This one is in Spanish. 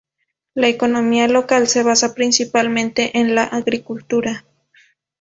La economía local se basa principalmente en la agricultura.